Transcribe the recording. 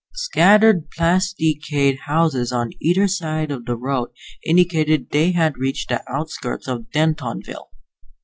Scattered plasticade houses on either side of the road indicated they had reached the outskirts of Dentonville.